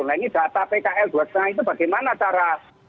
nah ini data pkl dua lima itu bagaimana cara